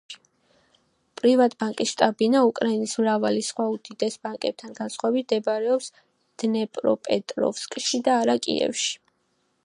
პრივატბანკის შტაბ-ბინა, უკრაინის მრავალი სხვა უდიდეს ბანკებთან განსხვავებით, მდებარეობს დნეპროპეტროვსკში, და არა კიევში.